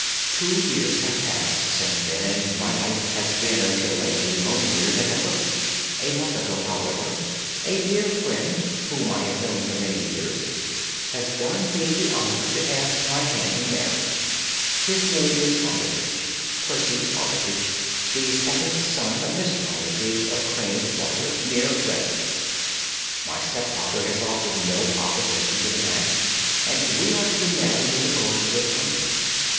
"Two years have passed since then, and my life has been until lately lonelier than ever. A month ago, however, a dear friend, whom I have known for many years, has done me the honour to ask my hand in marriage. His name is Armitage—Percy Armitage—the second son of Mr. Armitage, of Crane Water, near Reading. My stepfather has offered no opposition to the match, and we are to be married in the course of the spring.